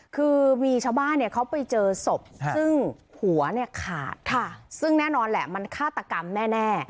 คือมีชาวบ้านเขาไปเจอศพซึ่งหัวเนี่ยขาดซึ่งแน่นอนแหละมันฆาตกรรมแน่